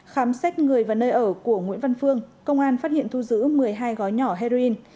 khám xét người và nơi ở của nguyễn văn phương công an phát hiện thu giữ một mươi hai gói nhỏ heroin